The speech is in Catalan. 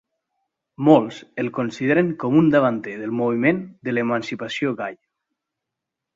Molts el consideren com un davanter del moviment de l'emancipació gai.